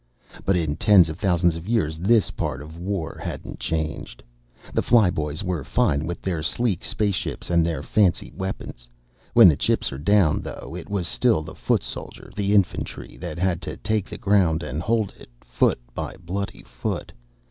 But in tens of thousands of years this part of war hadn't changed. The flyboys were fine with their sleek spaceships and their fancy weapons. When the chips are down, though, it was still the foot soldier, the infantry, that had to take the ground and hold it, foot by bloody foot.